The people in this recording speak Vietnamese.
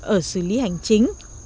ở xử lý hành chính